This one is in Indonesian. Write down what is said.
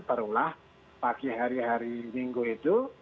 barulah pagi hari hari minggu itu